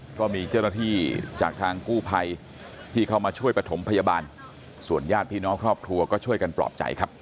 ก็มีเจ้าหน้าที่จากทางกู้ภัยที่เข้ามาช่วยประถมพยาบาลส่วนญาติพี่น้องครอบครัวก็ช่วยกันปลอบใจครับ